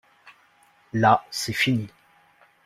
Là, c’est fini.